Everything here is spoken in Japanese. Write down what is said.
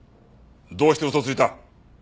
どうして嘘をついた？